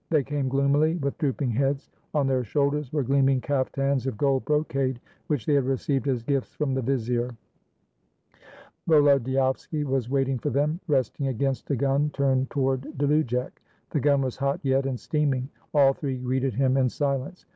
They came gloomily, with drooping heads; on their shoulders were gleaming caftans of gold brocade, which they had received as gifts from the vizier. Volodyovski was waiting for them, resting against a gun turned toward Dlujek. The gun was hot yet, and steaming. All three greeted him in silence.